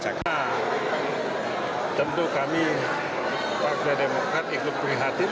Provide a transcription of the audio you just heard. nah tentu kami warga demokrat ikut berhatim